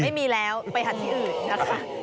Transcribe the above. ไม่มีแล้วไปหัดที่อื่นนะคะ